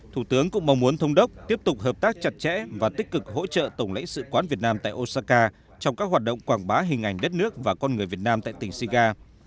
thủ tướng cũng mong muốn thông đốc tiếp tục hợp tác chặt chẽ và tích cực hỗ trợ tổng lãnh sự quán việt nam tại osaka trong các hoạt động quảng bá hình ảnh đất nước và con người việt nam tại tỉnh siga